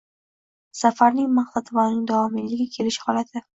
safarning maqsadi va uning davomiyligi, kelish holati ;